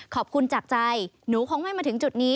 ขอบคุณจากใจหนูคงไม่มาถึงจุดนี้